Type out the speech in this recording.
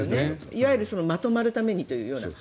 いわゆるまとまるためにというような。